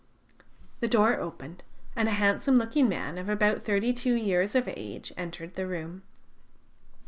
The door opened, and a handsome looking man, of about thirty two years of age, entered the room.